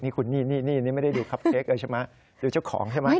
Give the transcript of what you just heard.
นี่คุณนี่ไม่ได้ดูครับเค้กเลยใช่ไหมดูเจ้าของใช่ไหม